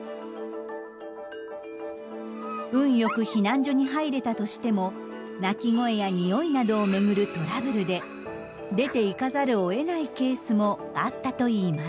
運よく避難所に入れたとしても鳴き声や臭いなどを巡るトラブルで出ていかざるをえないケースもあったといいます。